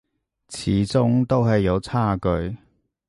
始終都係有差距